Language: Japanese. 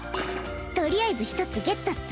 とりあえず１つゲットっス。